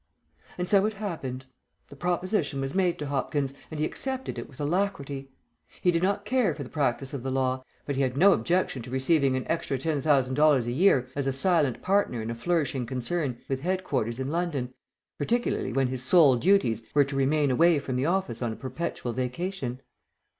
And so it happened. The proposition was made to Hopkins, and he accepted it with alacrity. He did not care for the practice of the law, but he had no objection to receiving an extra ten thousand dollars a year as a silent partner in a flourishing concern with headquarters in London, particularly when his sole duties were to remain away from the office on a perpetual vacation.